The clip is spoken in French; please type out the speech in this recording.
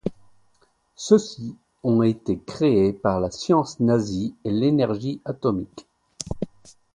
Ceux-ci ont été créés par la science nazie et l'énergie atomique.